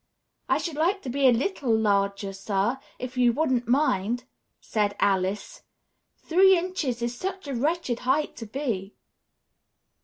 I should like to be a little larger, sir, if you wouldn't mind," said Alice. "Three inches is such a wretched height to be."